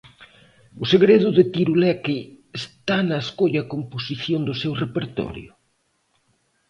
O segredo de Tiruleque está na escolla e composición do seu repertorio?